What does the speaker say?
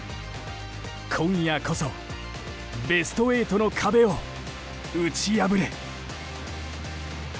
今夜こそベスト８の壁を打ち破れ！